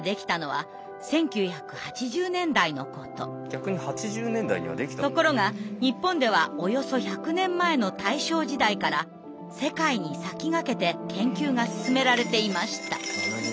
非常に身近な病ですがところが日本ではおよそ１００年前の大正時代から世界に先駆けて研究が進められていました。